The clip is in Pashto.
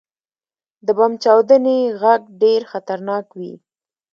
• د بم چاودنې ږغ ډېر خطرناک وي.